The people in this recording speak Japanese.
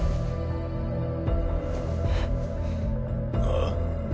ああ？